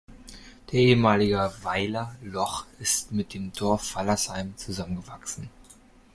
Der ehemalige Weiler „Loch“ ist mit dem Dorf Wallersheim zusammengewachsen.